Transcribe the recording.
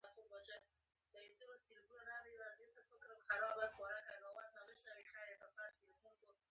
سل د بشر لاسته راوړنه ده